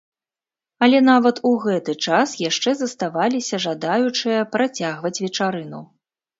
Але нават у гэты час яшчэ заставаліся жадаючыя працягваць вечарыну.